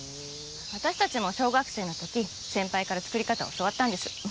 私たちも小学生のとき先輩から作り方教わったんです。